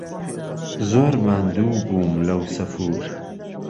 زۆر ماندوو بوم لهو سهفور